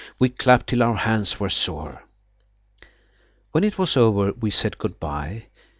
We clapped till our hands were sore. When it was over we said goodbye.